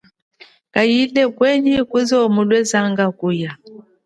Kayile kwenyi kuwa mulwezanga kuya.